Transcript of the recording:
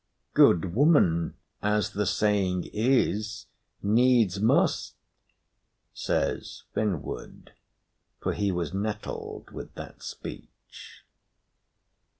"Good woman, as the saying is, needs must," says Finnward, for he was nettled with that speech.